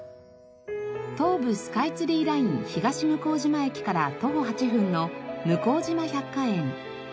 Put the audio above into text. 東武スカイツリーライン東向島駅から徒歩８分の向島百花園。